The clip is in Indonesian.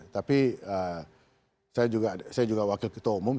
tapi saya juga wakil ketua umum